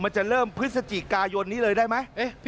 จะเริ่มพฤศจิกายนนี้เลยได้ไหม